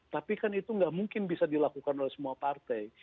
tapi kan itu nggak mungkin bisa dilakukan oleh semua partai